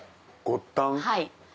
はい。